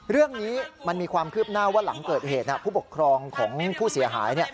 เรื่องนี้มันมีความคืบหน้าว่าหลังเกิดเหตุผู้ปกครองของผู้เสียหาย